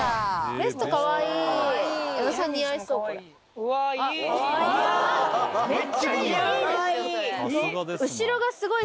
ベストかわいい。